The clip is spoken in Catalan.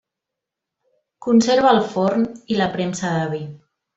Conserva el forn i la premsa de vi.